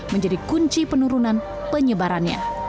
menjadi kunci penurunan penyebarannya